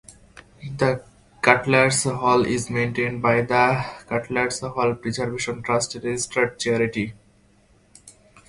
The Cutlers' Hall is maintained by the Cutlers' Hall Preservation Trust, a registered charity.